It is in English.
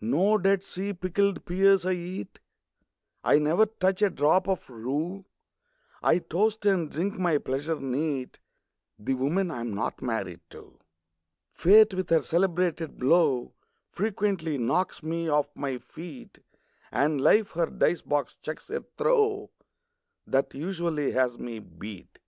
No Dead Sea pickled pears I eat; I never touch a drop of rue; I toast, and drink my pleasure neat, The women I'm not married to! Fate with her celebrated blow Frequently knocks me off my feet; And Life her dice box chucks a throw That usually has me beat.